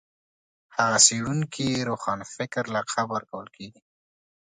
هغه څېړونکي روښانفکر لقب ورکول کېږي